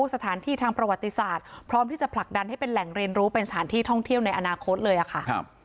สถานที่ทางประวัติศาสตร์พร้อมที่จะผลักดันให้เป็นแหล่งเรียนรู้เป็นสถานที่ท่องเที่ยวในอนาคตเลยค่ะ